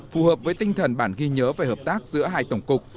phù hợp với tinh thần bản ghi nhớ về hợp tác giữa hai tổng cục